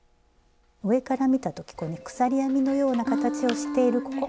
上から見た時こうね鎖編みのような形をしているここ。